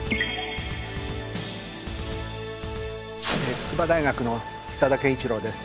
筑波大学の久田健一郎です。